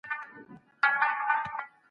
ما ډېره هڅه کړې وه.